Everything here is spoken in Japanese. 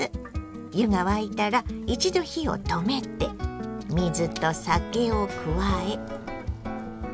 湯が沸いたら一度火を止めて水と酒を加えかき混ぜます。